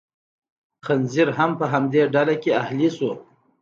خنزیر هم په همدې ډله کې اهلي شو.